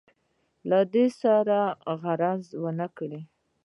له دوی سره چا غرض ونه کړ.